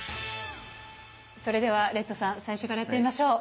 それではレッドさん最初からやってみましょう！